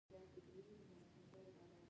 دوی نه پوهېږي چې څنګه بېوزله هېوادونه شتمن کړو.